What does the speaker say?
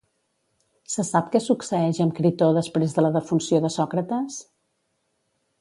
Se sap què succeeix amb Critó després de la defunció de Sòcrates?